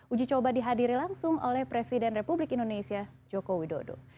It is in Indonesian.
uji coba dihadiri langsung oleh presiden republik indonesia joko widodo